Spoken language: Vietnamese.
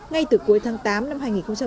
ngay từ cuối tháng tám năm hai nghìn một mươi chín